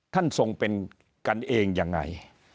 ท่านทรงกันเองอย่างไร